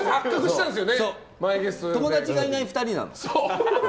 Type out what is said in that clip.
友達がいない２人なんです。